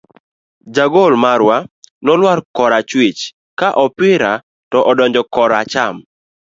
Jagol marwa nolwar korachwich, ka opira to odonjo gi koracham.